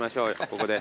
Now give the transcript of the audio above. ここで。